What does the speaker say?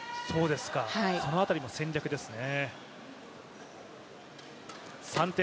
その辺りも戦略ですね。